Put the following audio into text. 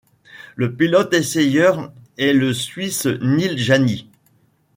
Le pilote-essayeur est le Suisse Neel Jani.